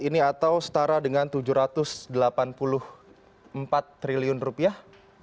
ini atau setara dengan tujuh ratus delapan puluh empat triliun rupiah